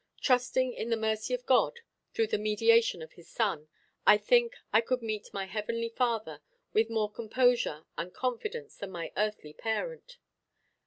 Trusting in the mercy of God, through the mediation of his Son, I think I could meet my heavenly Father with more composure and confidence than my earthly parent.